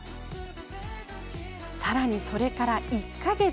さらに、それから１か月。